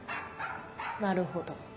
なるほど。